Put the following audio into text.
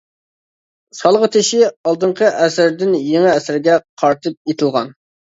«سالغا تېشى» ئالدىنقى ئەسىردىن يېڭى ئەسىرگە قارىتىپ ئېتىلغان.